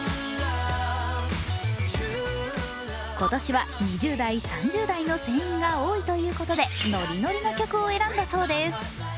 今年は２０代、３０代の船員が多いため、ノリノリの曲を選んだそうです。